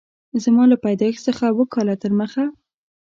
زما له پیدایښت څخه اووه کاله تر مخه